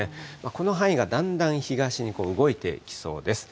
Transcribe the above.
この範囲がだんだん東に動いていきそうです。